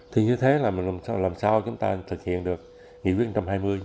thì như thế là làm sao chúng ta thực hiện được nghị quyết một trăm hai mươi